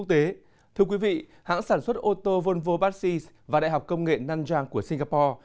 thưa quý vị hãng sản xuất ô tô volvo passace và đại học công nghệ nanjang của singapore